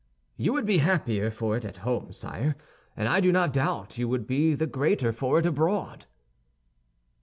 You would be the happier for it at home, sire, and I do not doubt you would be the greater for it abroad."